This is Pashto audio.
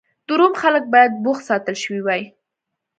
د روم خلک باید بوخت ساتل شوي وای.